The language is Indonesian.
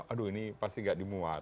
aduh ini pasti gak dimuat